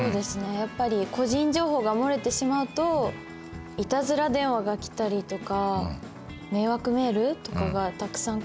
やっぱり個人情報が漏れてしまうといたずら電話が来たりとか迷惑メールとかがたくさん来るのかなと思います。